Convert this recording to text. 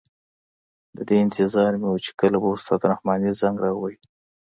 د دې انتظار مې وه چې کله به استاد رحماني زنګ را وهي.